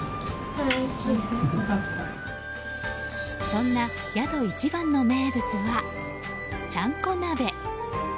そんな宿一番の名物はちゃんこ鍋。